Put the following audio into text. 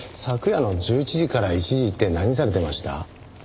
昨夜の１１時から１時って何されてました？